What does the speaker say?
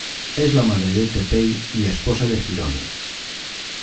Es la madre de Teppei y esposa de Hiromi.